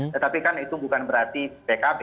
tetapi kan itu bukan berarti pkb